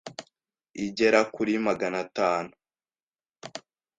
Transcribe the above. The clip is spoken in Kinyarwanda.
igera kuri Magana atanu